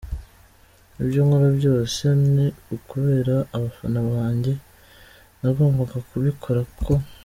Ibyo nkora byose ni ukubera abafana banjye, nagombaga kubikora uko.